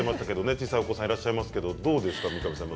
小さいお子さんがいらっしゃいますが、どうですか。